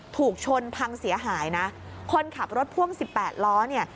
ถูกชนพังเสียหายคนขับรถพ่วง๑๘ล้อเนี่ย